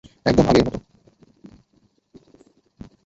একদম আগের মতো!